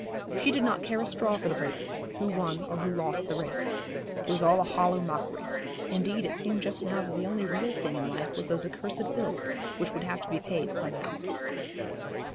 She did not care a straw for the boats, who won, or who lost the race. It was all a hollow mockery. Indeed it seemed just now that the only real thing in life was those accursed bills, which would have to be paid somehow.